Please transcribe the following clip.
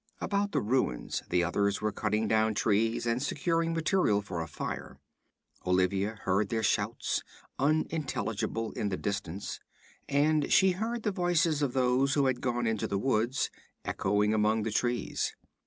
About the ruins the others were cutting down trees and securing material for a fire. Olivia heard their shouts, unintelligible in the distance, and she heard the voices of those who had gone into the woods, echoing among the trees.